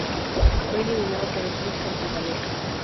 Fue eliminado por el Club Portugalete.